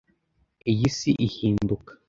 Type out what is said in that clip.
iyi si ihinduka .